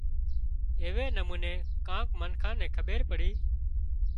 ايوي نموني ڪانڪ منکان نين کٻير پڙي